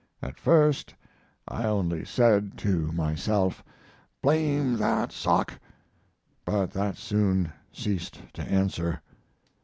At first I only said to myself, "Blame that sock," but that soon ceased to answer.